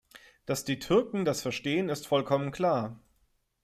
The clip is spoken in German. Dass die Türken das verstehen, ist vollkommen klar.